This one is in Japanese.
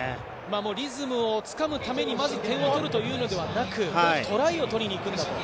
リズムをつかむために、まず点を取るというのではなく、トライを取りに行くんだと。